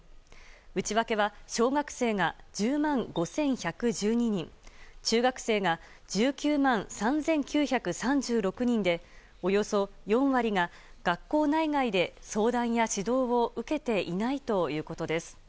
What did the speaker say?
内訳は小学生が１０万５１１２人中学生が１９万３９３６人でおよそ４割が学校内外で相談や指導を受けていないということです。